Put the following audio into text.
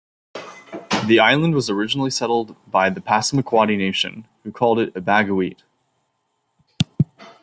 The island was originally settled by the Passamaquoddy Nation, who called it Ebaghuit.